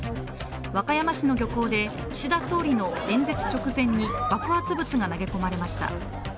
和歌山市の漁港で岸田総理の演説直前に爆発物が投げ込まれました。